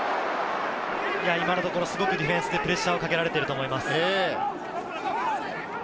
今のところディフェンスでプレッシャーをかけられていると思います。